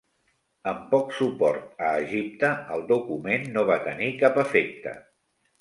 Amb poc suport a Egipte, el document no va tenir cap efecte.